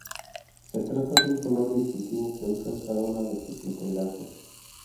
Se trata de un color distintivo que usan cada una de sus integrantes.